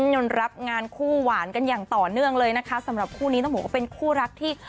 ยนต์รับงานคู่หวานกันอย่างต่อเนื่องเลยนะคะสำหรับคู่นี้ต้องบอกว่าเป็นคู่รักที่